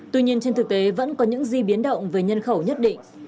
tuy nhiên trên thực tế vẫn có những di biến động về nhân khẩu nhất định